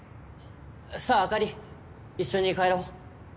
さああかり一緒に帰ろう。